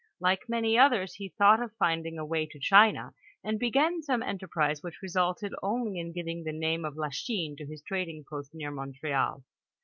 Like many others^ he thought of finding a way to China, and began some enterprise which resulted only in giving the name of Lachine to his trading post near Montreal.